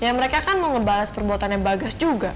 ya mereka kan mau ngebales perbuatannya bagas juga